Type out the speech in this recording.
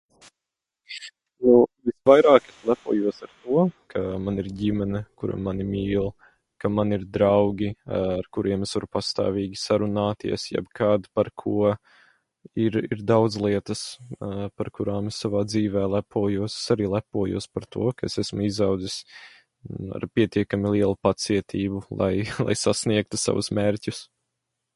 Visvairāk es lepojos ar to, ka man ir ģimene, kura mani mīl, ka man ir draugi, ar kuriem es varu pastāvīgi sarunāties - jebkad, par ko. Ir daudzas lietas, par kurām es savā dzīvē lepojos. Es arī lepojos arī par to, ka esmu izaudzis ar pietiekami lielu pacietību, lai, lai sasniegtu savus mērķus.